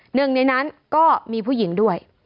หนึ่งในนั้นก็มีผู้หญิงด้วย